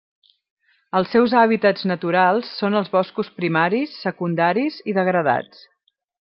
Els seus hàbitats naturals són els boscos primaris, secundaris i degradats.